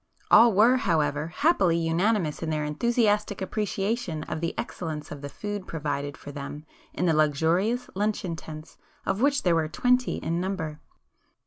All were, however, happily unanimous in their enthusiastic appreciation of the excellence of the food provided for them in the luxurious luncheon tents of which there were twenty in number.